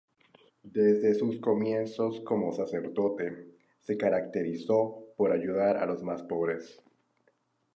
Desde sus comienzos como sacerdote, se caracterizó por ayudar a los más pobres.